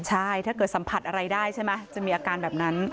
ใช่ถ้าเกิดสัมผัสอะไรได้ใช่ไหมจะมีอาการแบบนั้น